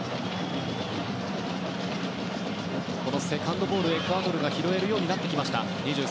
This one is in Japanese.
セカンドボール、エクアドルが拾えるようになってきました。